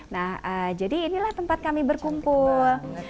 nah jadi inilah tempat kami berkumpul